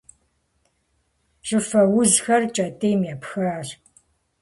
ЩӀыфэ узхэр кӀэтӀийм епхащ.